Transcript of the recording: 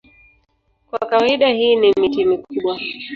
Kwa kawaida hii ni miti mikubwa.